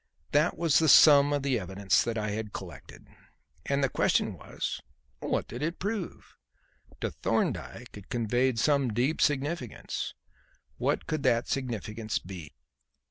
That was the sum of the evidence that I had collected; and the question was, What did it prove? To Thorndyke it conveyed some deep significance. What could that significance be?